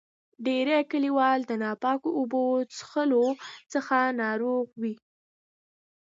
ډیری کلیوال د ناپاکو اوبو چیښلو څخه ناروغ وي.